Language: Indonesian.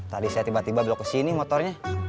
tadi saya tiba tiba belok kesini motornya